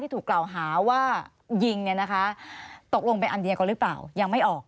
ถูกกล่าวหาว่ายิงเนี่ยนะคะตกลงเป็นอันเดียวกันหรือเปล่ายังไม่ออก